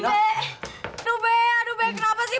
aduh mbe kenapa sih